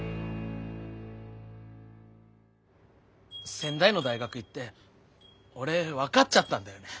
仙台の大学行って俺分かっちゃったんだよね。